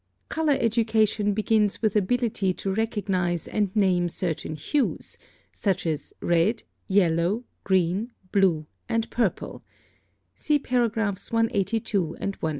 + (26) Color education begins with ability to recognize and name certain hues, such as red, yellow, green, blue, and purple (see paragraphs 182 and 183).